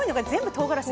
とうがらし。